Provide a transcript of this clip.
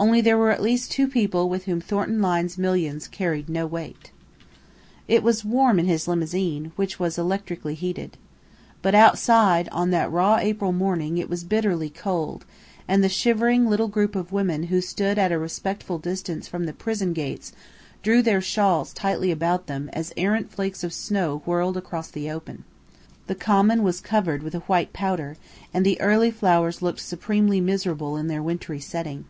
Only there were at least two people with whom Thornton Lyne's millions carried no weight. It was warm in his limousine, which was electrically heated. But outside, on that raw April morning, it was bitterly cold, and the shivering little group of women who stood at a respectful distance from the prison gates, drew their shawls tightly about them as errant flakes of snow whirled across the open. The common was covered with a white powder, and the early flowers looked supremely miserable in their wintry setting.